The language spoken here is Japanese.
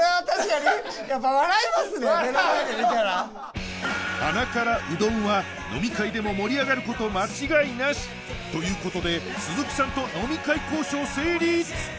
目の前で見たら「鼻からうどん」は飲み会でも盛り上がること間違いなしということで鈴木さんと飲み会交渉成立！